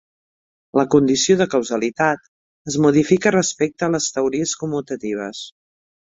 La condició de causalitat es modifica respecte a les teories commutatives.